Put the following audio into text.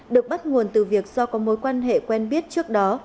được bắt nguồn từ việc do có mối quan hệ quen biết trước đó